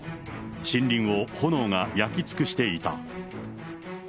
森林を炎が焼き尽くしていた。